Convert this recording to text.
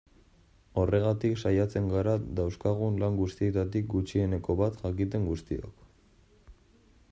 Horregatik saiatzen gara dauzkagun lan guztietatik gutxieneko bat jakiten guztiok.